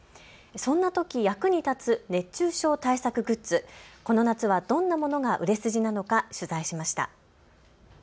そんなとき役に立つ熱中症対策グッズ、この夏はどんなものが売れ筋なのか取材しました。